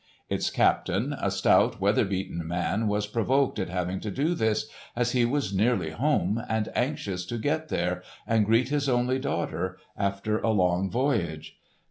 Its captain, a stout weather beaten man, was provoked at having to do this, as he was nearly home and anxious to get there and greet his only daughter, after a long voyage.